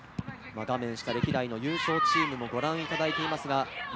歴代の優勝チームもご覧いただいています。